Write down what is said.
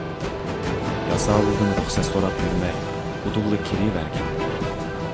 ياساۋۇلدىن رۇخسەت سوراپ يۈرمەي ئۇدۇللا كىرىۋەرگىن.